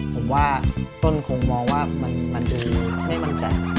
ผมว่าต้นคงมองว่ามันดูไม่มั่นใจ